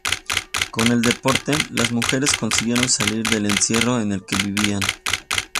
Con el deporte, las mujeres, consiguieron salir del encierro en el que vivían.